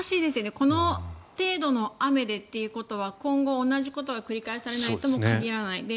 この程度の雨でということは今後、同じことが繰り返されないとも限らない。